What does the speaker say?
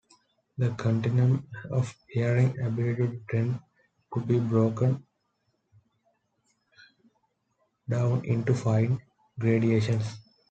The continuum of hearing ability tends to be broken down into fine gradations.